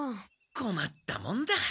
こまったもんだ。